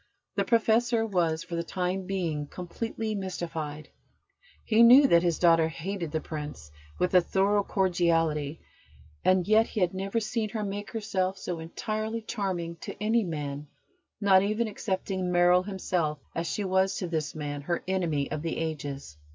The Professor was, for the time being, completely mystified. He knew that his daughter hated the Prince with a thorough cordiality, and yet he had never seen her make herself so entirely charming to any man, not even excepting Merrill himself, as she was to this man, her enemy of the Ages.